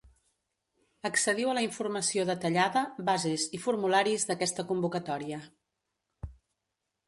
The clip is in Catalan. Accediu a la informació detallada, bases i formularis d'aquesta convocatòria.